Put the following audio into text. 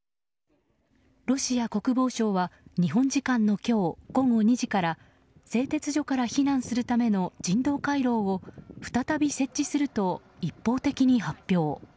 ロシア国防省は日本時間の今日午後２時から製鉄所から避難するための人道回廊を再び設置すると一方的に発表。